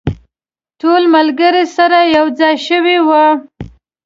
ټول ملګري سره یو ځای شوي وو.